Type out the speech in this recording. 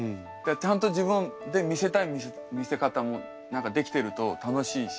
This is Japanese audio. ちゃんと自分で見せたい見せ方もできてると楽しいし。